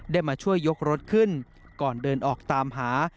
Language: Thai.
มาช่วยยกรถขึ้นก่อนเดินออกตามหา